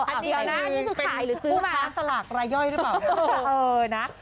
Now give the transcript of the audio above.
อันนี้เป็นผู้หมาสลากระย่อยหรือเปล่า